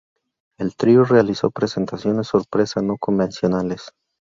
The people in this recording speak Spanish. El trío realizó presentaciones sorpresa no convencionales.